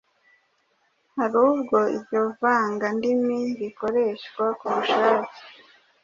hari ubwo iryo vangandimi rikoreshwa ku bushake,